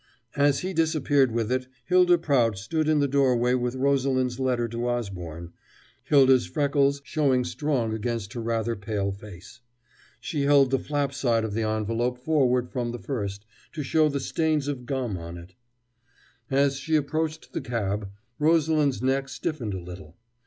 As he disappeared with it, Hylda Prout stood in the doorway with Rosalind's letter to Osborne Hylda's freckles showing strong against her rather pale face. She held the flap side of the envelope forward from the first, to show the stains of gum on it. As she approached the cab, Rosalind's neck stiffened a little.